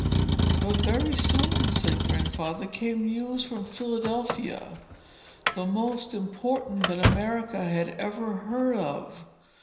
"But, very soon," said Grandfather, "came news from Philadelphia, the most important that America had ever heard of.